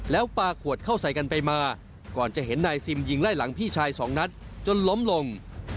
แล้วปลาขวดเข้าใส่กันไปมาก่อนจะเห็นนายซิมยิงไล่หลังพี่ชายสองนัดจนล้มลง